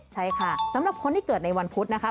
ใช่ค่ะสำหรับคนที่เกิดในวันพุธนะคะ